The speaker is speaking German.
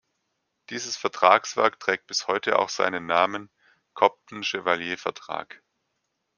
Dieses Vertragswerk trägt bis heute auch seinen Namen: "Cobden-Chevalier-Vertrag".